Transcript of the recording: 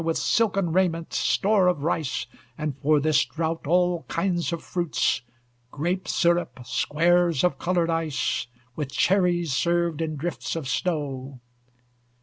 With silken raiment, store of rice, And for this drought, all kinds of fruits, Grape syrup, squares of colored ice, With cherries served in drifts of snow."